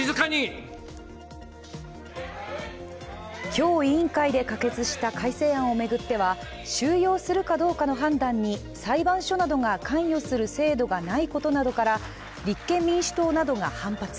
今日、委員会で可決した改正案を巡っては収容するかどうかの判断に裁判所などが関与する制度がないことなどから立憲民主党などが反発。